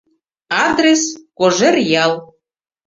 Адрес: Кожеръял...